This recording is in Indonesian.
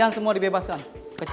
yang lainnya boleh dibebaskan dato'